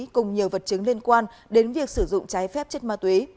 cùng nhiều vật chứng liên quan đến việc sử dụng trái phép chất ma túy